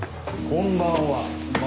こんばんは。